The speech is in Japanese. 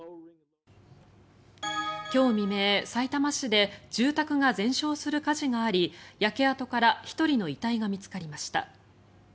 今日未明、さいたま市で住宅が全焼する火事があり焼け跡から１人の遺体が見つかりました。